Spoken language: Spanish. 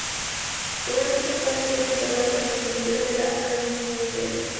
Sus restos mortales fueron enterrados en el Cementerio de La Almudena.